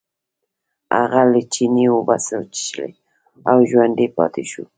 هغه له چینې اوبه وڅښلې او ژوندی پاتې شو.